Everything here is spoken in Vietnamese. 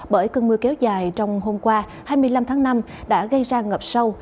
bởi cơn mưa kéo dài trong hôm qua hai mươi năm tháng năm đã gây ra ngập sâu